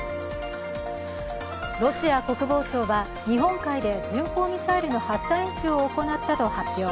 ロシア国防省は日本海で巡航ミサイルの発射演習を行ったと発表。